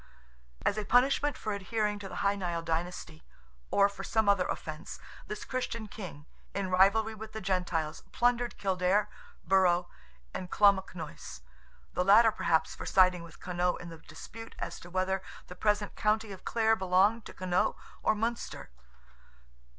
As a punishment for adhering to the Hy Nial dynasty, or for some other offence, this Christian king, in rivalry with "the Gentiles," plundered Kildare, Burrow, and Clonmacnoise—the latter perhaps for siding with Connaught in the dispute as to whether the present county of Clare belonged to Connaught or Munster.